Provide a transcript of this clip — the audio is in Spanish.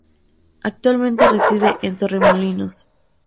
Actualmente reside en Torremolinos.